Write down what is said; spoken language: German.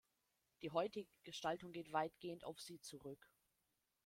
Die heutige Gestaltung geht weitgehend auf sie zurück.